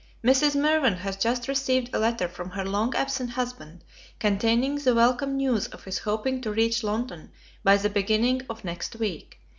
Mrs. Mirvan has just received a letter from her long absent husband, containing the welcome news of his hoping to reach London by the beginning of next week.